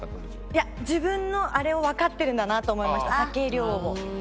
自分のあれをわかってるんだなと思いました酒量を。